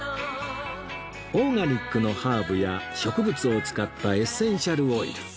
オーガニックのハーブや植物を使ったエッセンシャルオイル